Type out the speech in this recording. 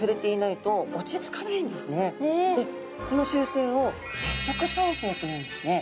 この習性を接触走性というんですね。